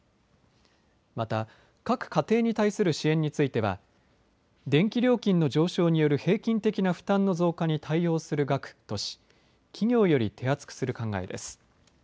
また、各家庭に対する支援については電気料金の上昇による平均的な負担の増加に対応する額とし企業より手厚くする考えです。